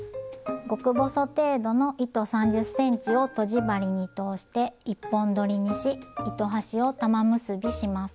極細程度の糸３０ｃｍをとじ針に通して１本どりにし糸端を玉結びします。